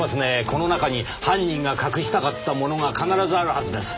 この中に犯人が隠したかったものが必ずあるはずです。